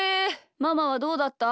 ママはどうだった？